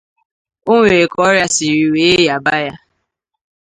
o nwee ka ọrịa siri wee rịaba ya